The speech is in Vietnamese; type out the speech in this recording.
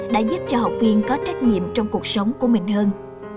đã giúp cho học viên có trách nhiệm trong cuộc sống của mình hơn